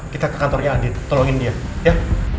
kita ke kantornya adit tolongin dia ya